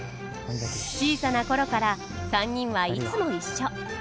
小さな頃から３人はいつも一緒。